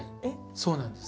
そうなんです。